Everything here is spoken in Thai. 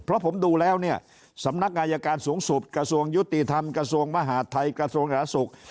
เพราะผมดูแล้วเนี่ยสำนักอายการสูงสุดกระทรวงยุติธรรมกระทรวงมหาดไทยกระทรวงสาธารณสุข